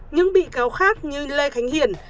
những bị cáo khác như lê khánh hiền